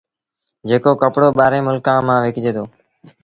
جيڪو ڪپڙو ٻآهريٚݩ ملڪآݩ ميݩ وڪجي دو